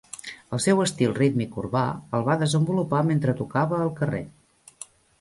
El seu estil rítmic urbà el va desenvolupar mentre tocava al carrer.